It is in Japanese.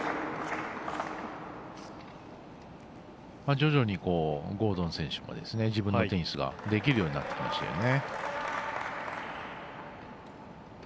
徐々にゴードン選手も自分のテニスができるようになってきましたよね。